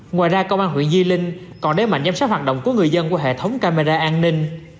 ngoài ra công an huyện di linh còn đế mạnh giám sát hoạt động của người dân qua hệ thống camera an ninh